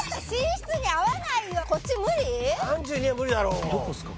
３２は無理だろどこっすか